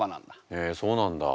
へえそうなんだ。